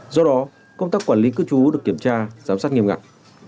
do đó công tác quản lý cư trú được kiểm tra giám sát nghiêm ngặt